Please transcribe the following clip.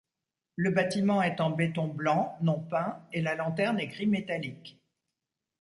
Le bâtiment est en béton blanc non peint et la lanterne est gris métallique.